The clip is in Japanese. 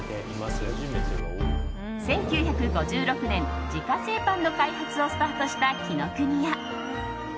１９５６年、自家製パンの開発をスタートした紀ノ国屋。